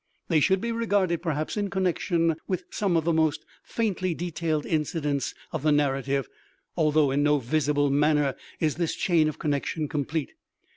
They should be regarded, perhaps, in connection with some of the most faintly detailed incidents of the narrative; although in no visible manner is this chain of connection complete.